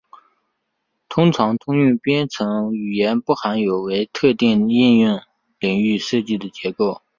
通常通用编程语言不含有为特定应用领域设计的结构。